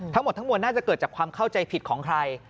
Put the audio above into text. ทั้งหมดทั้งมวลน่าจะเกิดจากความเข้าใจผิดของใคร